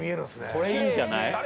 これいいんじゃない？